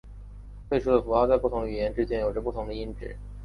最初的符号在不同语言之间有不同的音值。